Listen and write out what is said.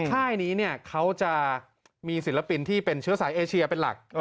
ค่ายนี้เขาจะมีศิลปินที่เป็นเชื้อสายเอเชียเป็นหลัก